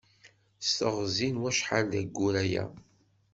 S teɣzi n wacḥal d aggur aya.